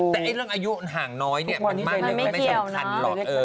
แต่เรื่องอายุห่างน้อยเนี่ยมันไม่สำคัญหรอก